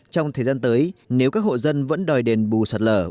trong thời gian tới nếu các hộ dân vẫn đòi đền bù sạt lở